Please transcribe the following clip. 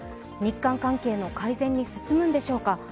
日韓関係の改善に進むんでしょうか。